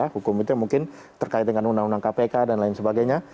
hukum itu mungkin terkait dengan undang undang kpk dan lain sebagainya